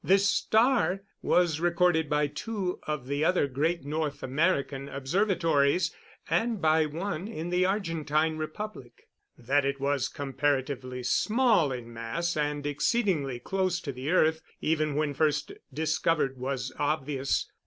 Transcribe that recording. This star was recorded by two of the other great North American observatories, and by one in the Argentine Republic. That it was comparatively small in mass and exceedingly close to the earth, even when first discovered, was obvious.